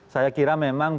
saya kira memang